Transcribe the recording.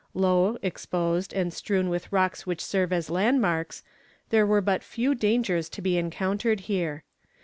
Low exposed, and strewn with rocks which serve as landmarks, there were but few dangers to be encountered here.